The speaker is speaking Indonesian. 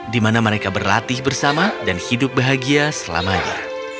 di mana mereka berlatih bersama dan hidup bahagia selamanya